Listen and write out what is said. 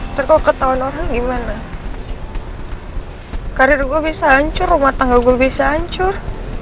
ntar kalo ketauan orang gimana karir gue bisa hancur rumah tangga gue bisa hancur